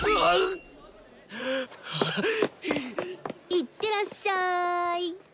行ってらっしゃい！